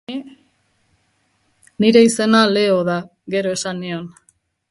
Nire izena Leo da, gero, esan nion.